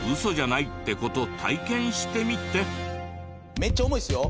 めっちゃ重いっすよ。